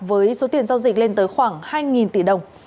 với số tiền giao dịch lên tới khoảng hai tỷ đồng